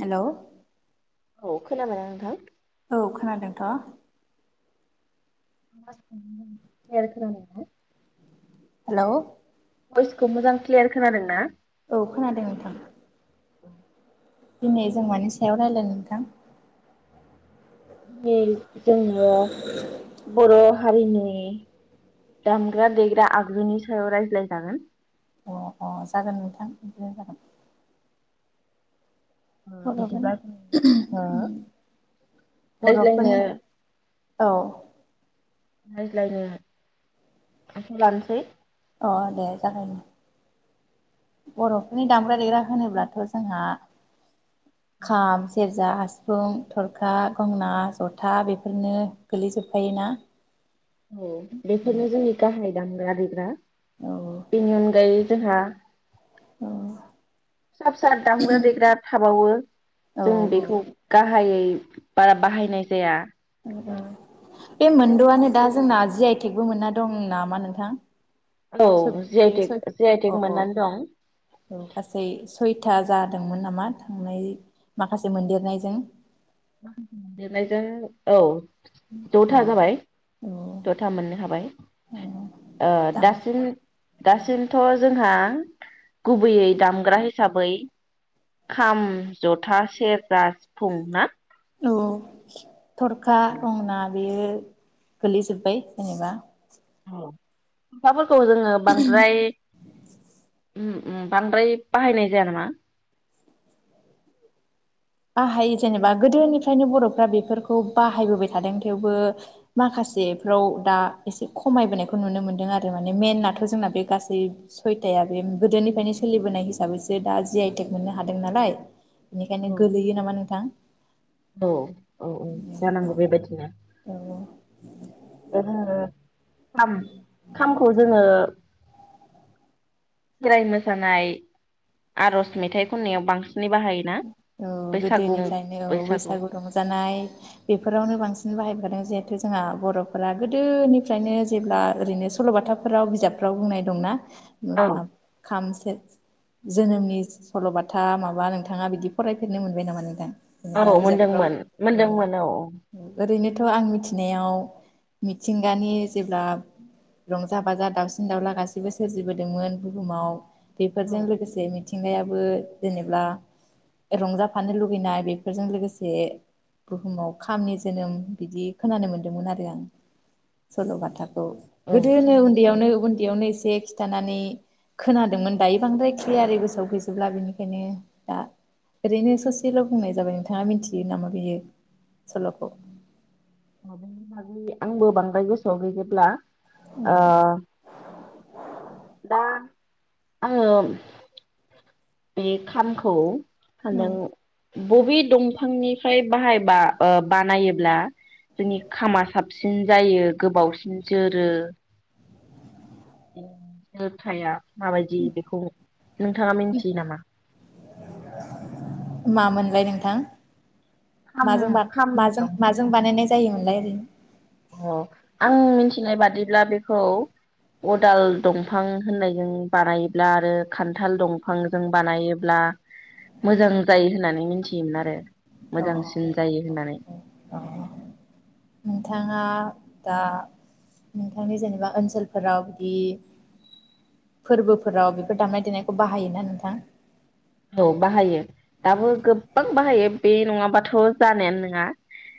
Hello. औ खोनाबाय ना नोंथां? औ खोनादोंथ'। [inaudible] हेल' भयइसखौ मोजां क्लियार खोनादों ना? औ खोनादों नोंथां। दिनै जों मानि सायाव रायजलाय नोंथां। [inaudible] जोङो बर' हारिनि दामग्रा देग्रा आगजुनि सायाव रायज्लायजागोन। अ अ जागोन नोंथां बिदिनो जागोन। ओ बर'फोरनि बिदिब्ला ओ ओम रायज्लायनो बर'फोरनि औ रायज्लायनो आसा [unintelligible] लानोसै अ दे जागायनि बर'फोरनि दामग्रा देग्रा होनोब्लाथ' जोंहा खाम सेरजा सि सिफुं थरखा गंना जथा बेफोरनो गोलैजोबखायोना। औव बेफोरनो जोंनि गाहाय दामग्रा देग्रा औ औ बेनि अनगायै जोंहा अ फिसा फिसा दामग्रा देग्रा थाबावो औ जों बेखौ गाहायै बारा बाहायनाय जाया। बे जों मोनद'आनो दा गुबैयै जोंना जि आइटेकबो मोनना दं नामा नोंथां। सोब औव जे बे आइटेक जे आइटेक मोननानै दं। औव गासै सयथा जादोंमोन नामा थांनाय माखासे मोनदेरनायजों लिरनायजों औव औ द'था जाबाय। औ द'था मोननो हाबाय। ओ दाम दासिम दासिमथ' जोंहा गुबैयै दामग्रा हिसाबै खाम जथा सेरजा सिफुं ना? औव थरखा दंना बेयो गोलैजोब्बाय जेनेबा [unintelligible] फोरखौ जोङो बांद्राय ओम ओम बांद्राय बाहायनाय जाया नामा। बाहाय जेनेबा गोदोनिफ्रायनो बर'फ्रा बेफोरखौ बाहायबोबाय थादों थेवबो माखासेफ्राव दा एसे खमायबोनायखौ नुनो मोनदों आरो माने मेनाथ' जोंना बे गासै सयथाया बे गोदोनिफ्रायनो सोलिबोनाय हिसाबैसो दा जि आइटेक मोननो हादों नालाय बेनिखायनो गोलैयो नामा नोंथां। औव औव औव जानांगौ बेबायदिनो औ औ [unintelligible] जोङो खाम खामखौ जोङो खोराय मोसानाय आर'ज मेथाइ खननायाव बांसिनै बाहायो। ना बैसागु नंगौ बैसागु रंजानाय बेफोरावनो बांसिन बाहायखादों जिहेथु जोंहा बर'फोरा गोदोनिफ्रायनो जेब्ला ओरैनो सल'बाथा फोराव बिजाबफोराव बुंनाय दंना। औ खाम से से जोनोमनि सल'बाथा माबा नों नोंथाङा बिदि फरायफेरनो मोनबाय नामा नोंथां। औ जेनेबा बिजाबफोराव मोनदोंमोन मोनदोंमोन औ ओरैनोथ' आं मिथिनायाव मिथिंगानि जेब्ला रंजा बाजा दाउसिन दाउला गासैबो सोरजिबोदोंमोन बुहुमाव औ बेफोरजों लोगोसे मिथिंगायाबो जेनेबा रंजाफानो लुगैनाय बेफोरजों लोगोसे बुहुमाव खामनि जोनोम बिदि खोनानो मोन्दोंमोन आरो आं। औ सल'बाथाखौ औ गोदोनो खामनाय उन्दैयावनो सल'बा उन्दैयावनो एसे खिथानानै खोनादोंमोन दायो बांद्राय क्लियारि गोसोआव गैजोबला बेनिखायनो दा ओरैनो ससेल' बुंनाय जाबाय नोंथाङा मिथियो नामा बियो सल'खौ बेनि बागै आंबो बांद्राय गोसोआव गैजोबला ओ औ दा आङो बे खामखौ हेलौ बबे दंफांनिफ्राय बाहायबा ओ बानायोब्ला जोंनि खामा साबसिन जायो गोबावसिन जोरो। जोरथाया माबायदि बेखौ नोंथाङा मिथियो नामा? मा मोनलाय नोंथां? खाम माजों बा खाम माजों दंफां माजों बानायनाय जायोमोनलाय ओरैनो? अ आं मिथिनाय बादिब्ला बेखौ अदाल दंफां होननायजों बानायोब्ला आरो खान्थाल दंफां जों बानायोब्ला मोजां जायो होननानै मिथियोमोन आरो। मोजांसिन जायो होननानै अ नोंथाङा दा नोंथांनि जेनेबा ओनसोलफोराव बिदि फोरबोफोराव बेफोर दामनाय देनायखौ बाहायोना नोंथां? औ बाहायो दाबो गोबां बाहायो बे नङाबाथ जानायानो नङा।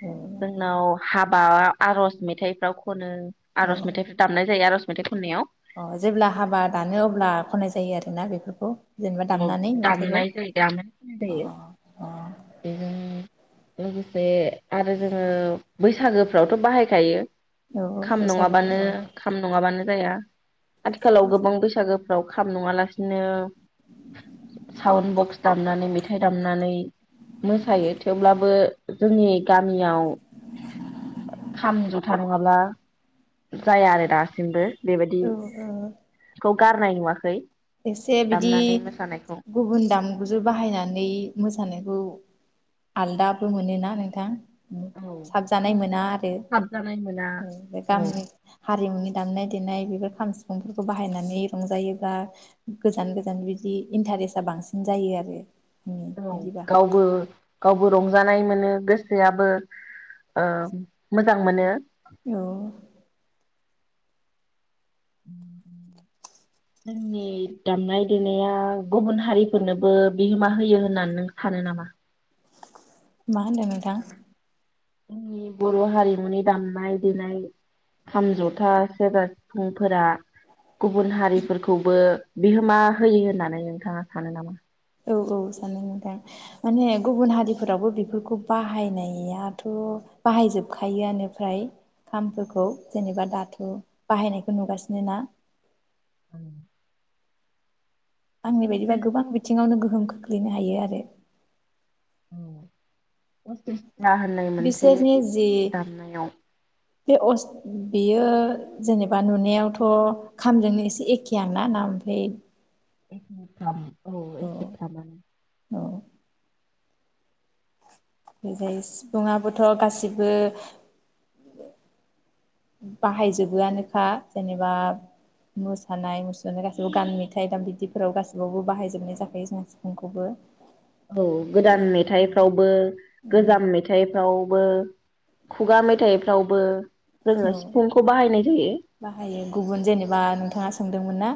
औ जोंनाव हाबा आरज' मेथाइफ्राव खनो आरज' मेथाइ दामनाय जायो आरज' मेथाइ खननायाव। अ जेब्ला हाबा दानो अब्ला खनाय जायो आरोना बेफोरखौ जेनेबा औ दामनानै मेथाइखौ दामनाय जायो दामनाय होननाय जायो औ बिजों लोगोसे आरो जोङो बैसागोफ्रावथ बाहायखायो। औ खाम बैसागु नङाबानो औ खाम नङाबानो जाया आथिखालाव गोबां बैसागोफ्राव खाम नङालासिनो साउन बक्स दामनानै मेथाइ दामनानै मोसायो थेवब्लाबो जोंनि गामियाव खाम जथा नङाब्ला जाया आरो दासिमबो। बेबायदि औ औ खौ गारनाय नुवाखै एसे बिदि दामनानै मोसानायखौ। गुबुन दामजु बाहायनानै मोसानायखौ आलदाबो मोनोना नोंथां। औ साबजानाय आं मोना आरो साबजानाय मोना उम औ गामिनि हारिमुनि दामनाय देनाय बेफोर खाम सिफुंफोरखौ बाहायनानै रंजायोब्ला गोजान गोजान बिदि इन्टारेस्टआ बांसिन जायो आरो। आंनि औ बिदिबा गावबो गावबो रंजानाय मोनो गोसोयाबबो ओ मोजां मोनो। औ [inaudible] जोंनि दामनाय देनाया गुबुन हारिफोरनोबो बिहोमा होयो होननानै नों सानो नामा? मा होनदों नोंथां? जोंनि बर' हारिमुनि दामनाय देनाय खाम, जथा, सेरजा, सिफुंफोरा गुबुन हारिफोरखौबो बिहोमा होयो होननानै नोंथाङा सानो नामा? औ औ सानो नोंथां। माने गुबुन हारिफोरावबो बेफोरखौ बाहायनायाथ' बाहायजोबखायो आनो फ्राय खामफोरखौ जेनेबा दाथु बाहायनायखौ नुगासिनो ना। [inaudible] आंनि बायदिबा गोबां बिथिङावनो गोहोम खोख्लैनो हायो आरो। औ पसिस्था होननाय मोनसे बिसोरनि जि दामनायाव बे अस बेयो जेनेबा नुनायावथ खामजोंनो एसे एखे आनो ना ना ओमफ्राय एखेथाम औ एखे थामानो औ जाय सिफुंङाबोथ' गासिबो बाहायजोबो आनोखा जेनेबा मोसानाय मुसुरनाय गासैबो गान मेथाइ दाम बिदिफोराव गासैबावबो बाहायजोबनाय जाखायो जोंहा सिफुंखौबो। औ बे गोदान मेथाइफ्रावबो औ गोजाम मेथाइ मेथाइफ्रावबो खुगा मेथाइफ्रावबो जोंङो औ सिफुं खौ बाहायनाय जायो। बाहायो गुबुन जेनेबा नोंथांङा सोंदोंमोन ना?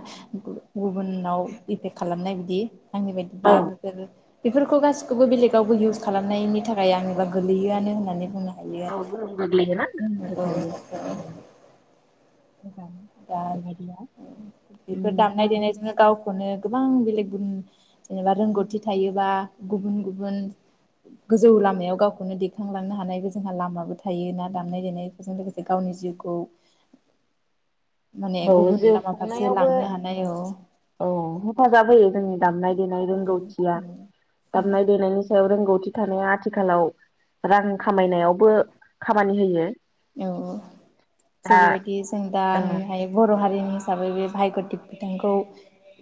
गुबुनाव इफेक्ट खालामनाय बिदि आंनि बायदिबा बेफोर। बेफोरखौ गासिखौबो बेलेगावबो इउस खालामनायनि थाखाय आंङोबा गोलैयोआनो होननानै बुङो। औ गोहोम गोग्लैगोना गोहोम खोख्लैयो मोजां। दा बेबायदिया बेफोर दामनाय ओमफ्राय देनायजोंनो गाव खौनो गोबां बेलेग गुन जेनेबा रोंगौथि थायोबा गुबुन गुबुन गोजौ लामायाव गावखौनो दैखांलांनो हानायबो जोंहा लामाबो थायो ना दामनाय देनायफोरजों लोगोसे गावनि जिउखौ माने औ गुबुन जिउ लामा फारसे खुंनायावबो। लांनो हानाय औ औ हेफाजाब होयो जोंनि दामनाय देनाय उम रोंगौथिया उम उम दामनाय-देनायनि रोंगौथि थानाया आथिखालाव रां खामायनायावबो खामानि होयो। औ दा जेरैबायदि जों दा औ नुनो हायो। बर' हारिनि हिसाबै बे भागग्यतिक बिथांखौ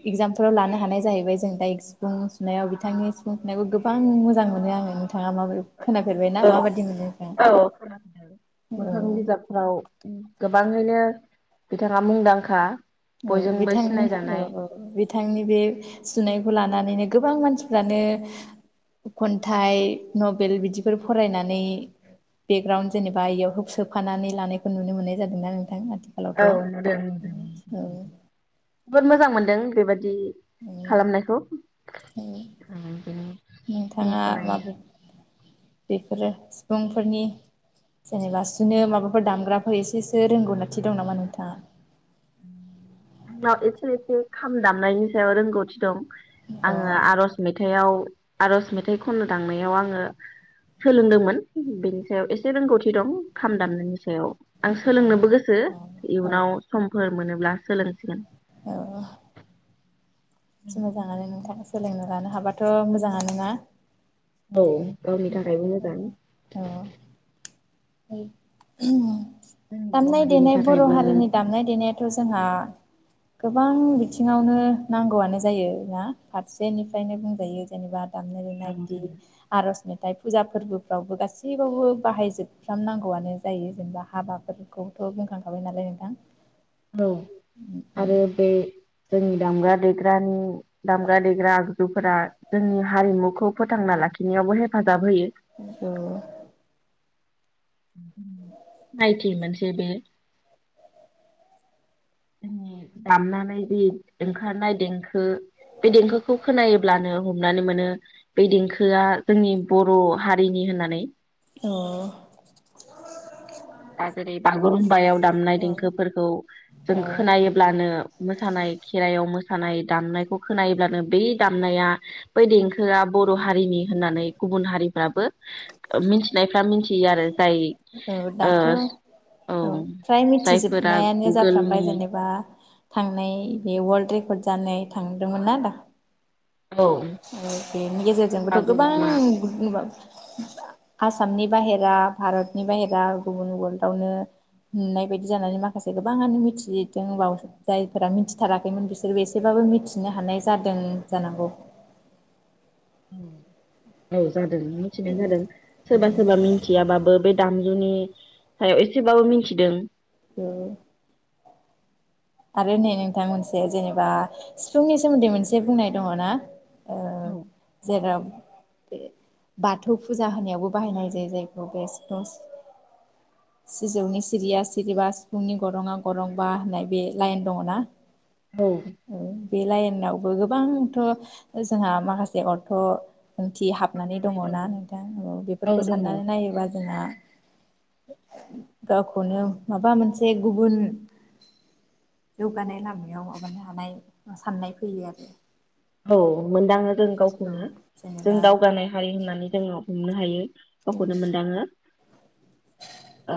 इगजामफोराव लानो हानाय जाहैबाय जों दा सिफुं सुनायाव बिथांनि सिफुं सुनायखौ गोबां मोजां मोनो आंङो। नांङा माबोरै खोनाफेरबायनाा मा आबाद मोनो नोंथाङा? औ खोनादों औ मोखां बिजाब। औ गोबांङैनो बिथाङा मुंदांखा। औ बयजोंबो बिथांनि सिनाय औ जानाय औ बिथांनि बे सुनायखौ लानानैनो गोबां मानसिफ्रानो खन्थाइ नभेल बिदिफोर फरायनानै बेकग्राउन्ड जेनेबा इयाव होब सोफानानै लानायखौ नुनो मोननाय जादोंना नोंथां। औ नुदों जोबोद मोजां मोनदों बे बायदि औ खालामनायखौ बिनो नोंथांङा माबै बेफोरो सुबुंफोरनि जेनेबा सुनो माबाफोर दामग्राफोर एसेसो रोंगौनाथि दं नामा नोंथाङा? आंनाव एसे एसे खाम दामनायनि सायाव रोंगौथि दं। अ आंङो आर'ज मेथाइाव आर'ज मेथाइ खन्नो थांनायाव आंङो। सोलोंदोंमोन बेनि सायाव एसे रोंगौथि दं खाम दामनायनि सायाव आं अ सोलोंनोबो गोसो औ औ इयुनाव समफोर मोनोब्ला सोलोंसिगोन औ। मोजांङानो नोंथां सोलोंनो लानो हाबाथ' मोजांङावनो ना? औ गावनि थाखायबो मोजां। औ। जोंनि बर' दामनाय हारिनि देनाय बर' थाखायबो हारिनि दामनाय देनायाथ' जोंहा। गोबां बिथिङावनो नांगौआनो जायो ना फारसेनिफ्रायनो बुंजायो जेनेबा। दामनाय देनाय बिदि आर'ज मेथाइ फुजा फोरबोफ्रावबो गासैबावबो बाहायजोब सुफ्राम नांगौआनो जायो जेनेबा हाबाफोरखौथ' बुंखांखाबाय नालाय नोंथां। औ आरो बे जोंनि दामग्रा-देग्रानि दामग्रा देग्रा आगजुफोरा जोंनि हारिमुखौ फोथांना लाखिनायावबो हेफाजाब होयो। उम सिनायथि मोनसे बे दामनानै जि ओंखारनाय देंखो। बे देंखोखौ खोनायोब्लानो हमनानै मोनो। बे देंखोआ जोंनि बर' हारिनि होननानै अ दा जेरै बागुरुमबायाव दामनाय देंखोफोरखौ। जों औ खोनायोब्लानो मोसानाय खेराइयाव मोसानाय दामनायखौ खोनायोब्लानो बे दामनाया बै देंखोआ बर' हारिनि होननानै गुबुन हारिफ्राबो मिथिनायफ्रा मिथियो आरो जाय औ ओ दाथ' औ फ्राय जायफोरा मिथिजोबनायानो जाफ्रामबाय गुगोलनि जेनेबा थांनाय बे वाल्ड रेकर्ड जानाय थांदोंमोन ना औ आरो बेनि गेजेरजोंबोथ' बागुरुम्बा गोबां [unintelligible] आसामनि बाहेरा भारतनि बाहेरा गुबुन वार्ल्डावनो। नुनाय बायदि जानानै माखासे गोबाङानो मिथिजदों बाव जायफोरा मिथिथाराखैमोन बिसोरबो एसेबाबो मिथिनो हानाय जादों जानांगौ। उम। औ जादों मिथिनाय जादों सोरबा सोरबा मिथियाबाबो बे दामजुनि ओ एसेबाबो मिथिदों। ओ। आरो नै नोंथां मोनसे जेनेबा सिफुंनि सोमोन्दै मोनसे बुंनाय दङ ना? ओ औ जेराव बाथौ फुजा होनायावबो बाहायनाय जायो जायखौ बे सिफुं सिजौनि सिरिया सिरिबा सिफुंनि गरङा गरंबा होननाय बे लाइन दङ ना? औ। बे लाइनावबो गोबांथ' जोंहा माखासे अथ' ओंथि हाब नानै दङ ना नोंथां औ बेफोरखौ दङ साननानै नायोबा जोंहा गावखौनो माबा मोनसे गुबुन जौगानाय लामायाव माबानो हानाय साननाय फैयो आरो। औ मोनदाङो जों औ गावखौनो जों जेनेबा दावगानाय हारि होननानै जोङो हमनो हायो। गावखोनो मोनदाङो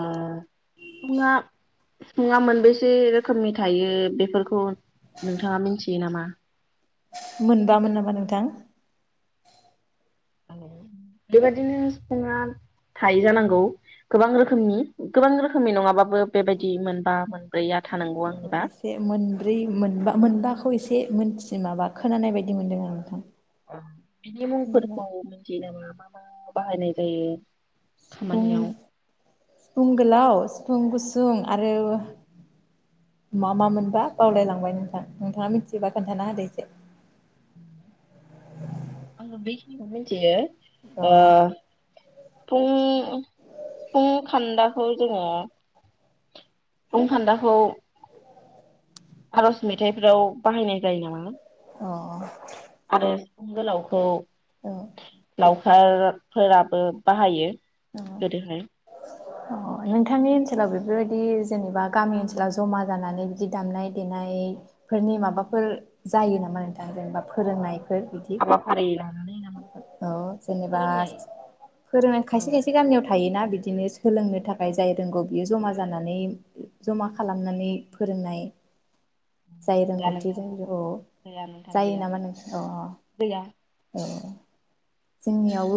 ओ फुंआ सिफुङा मोनबेसे रोखोमनि थायो बेफोरखौ नोंथाङा मिथियो नामा? मोनबा मोन नामा नोंथां? बेबायदिनो सिफुङा थायो जानांगौ गोबां रोखोमनि गोबां रोखोमनि नङाबाबो बेबायदि मोनबा मोन ब्रैया थानांगौ आंनिबा। बे मोनब्रै मोनबा मोनबाखौ एसे मोनथियो माबा खोनानाय बायदि मोनदों आरो नोंथां? बिनि जेनेबा मुंफोरखौ मिथियो नामा मा-मा बाहायनाय जायो? खामानियाव सिफुं- सिफुं गोलाव सिफुं गुसुं आरो मा- मा मोनबा बावलायलांबाय नोंथां नोंथाङा मिथियोबा खोन्थाना होदो एसे? आंबो बेखिनिखौ मिथियो अ ओ सिफुं सिफुं खान्दाखौ जोङो सिफुं खानदाखौ आर'ज मेथाइफोराव बाहायनाय जायो नामा? अ - अ। आरो सिफुं गोलावखौ औ। हारफोराबो बाहायो गोदोहाय। अ नोंथांनि ओनसोलाव बेफोरबायदि जेनेबा गामि ओनसोलाव जमा जानानै बिदि दामनाय देनायण फोरनि माबाफोर जायो नामा नोंथां जेनेबा फोरोंनायफोर बिदि? हाबाफारि लानानै नामा औ जेनेबा फोरोंनाय फोरों औ गामियाव थायोना बिदिनो सोलोंनो थाखाय जाय रोंगौ बियो जमा जानानै ज'मा खालामनानै फोरोंनाय। [inaudible] [unintelligible] जाय रोंगौथि नोंथां [unintelligible] औ गैया नोंथां जायो गैया नामा नोंसोर अ- गैया अ औ। जोंनियावबो